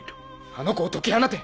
あの子を解き放て！